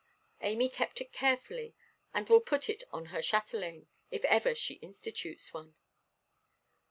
Amy kept it carefully, and will put it on her chatelaine, if ever she institutes one.